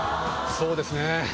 そうですね。